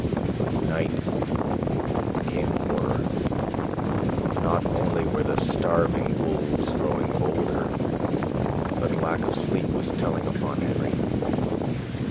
With night came horror. Not only were the starving wolves growing bolder, but lack of sleep was telling upon Henry.